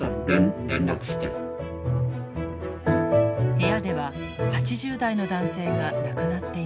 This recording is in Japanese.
部屋では８０代の男性が亡くなっていました。